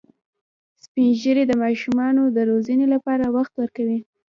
سپین ږیری د ماشومانو د روزنې لپاره وخت ورکوي